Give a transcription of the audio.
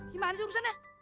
gimana sih urusannya